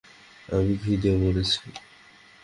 আমি ক্ষিদেয় মরছি।